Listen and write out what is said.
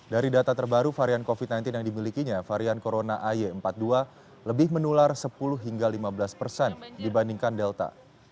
dari data terbaru varian covid sembilan belas yang dimilikinya varian corona ay empat puluh dua lebih menular sepuluh hingga lima belas persen dibandingkan delta